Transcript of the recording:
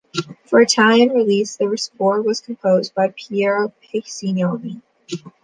For the Italian release, the score was composed by Piero Piccioni.